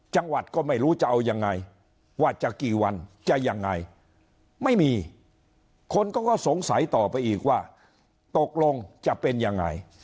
จังหวัดก็ไม่รู้จะเอายังไงว่าจะกี่วันจะยังไงไม่มีคนก็สงสัยต่อไปอีกว่าตกลงจะเป็นยังไง